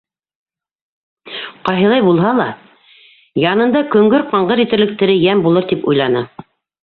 Ҡайһылай булһа ла, янында көңгөр-ҡаңғыр итерлек тере йән булыр, тип уйланы.